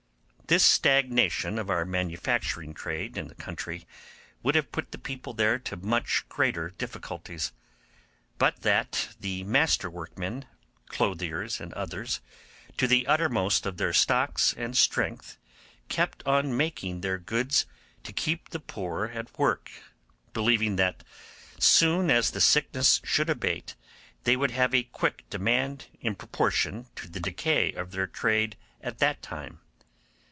This stagnation of our manufacturing trade in the country would have put the people there to much greater difficulties, but that the master workmen, clothiers and others, to the uttermost of their stocks and strength, kept on making their goods to keep the poor at work, believing that soon as the sickness should abate they would have a quick demand in proportion to the decay of their trade at that time.